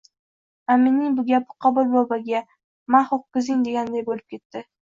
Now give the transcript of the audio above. Aminning bu gapi Qobil boboga Ma, ho‘kizing deganday bo‘lib ketdi